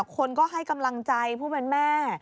คนก็ให้กำลังใจผู้เป็นแม่